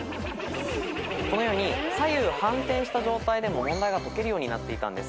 このように左右反転した状態でも問題が解けるようになっていたんです。